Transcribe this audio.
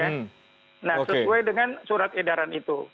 nah sesuai dengan surat edaran itu